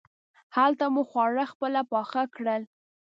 هلته مو خواړه خپله پاخه کړل.